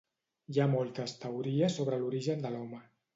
Hi ha moltes teories sobre l'origen de l'home.